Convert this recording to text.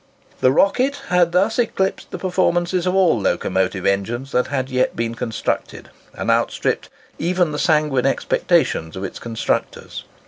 The "Rocket" had thus eclipsed the performances of all locomotive engines that had yet been constructed, and outstripped even the sanguine expectations of its constructors.